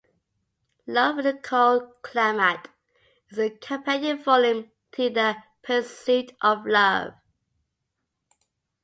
"Love in a Cold Climate" is a companion volume to "The Pursuit of Love".